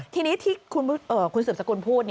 ทีนี้ที่คุณสืบสกุลพูด